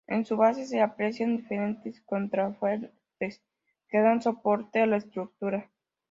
En su base se aprecian diferentes contrafuertes que dan soporte a la estructura.